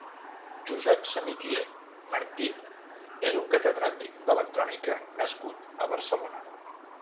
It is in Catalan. Josep Samitier Martí és un catedràtic d'electrònica nascut a Barcelona.